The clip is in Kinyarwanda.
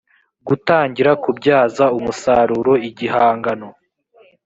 gutangira kubyaza umusaruro igihangano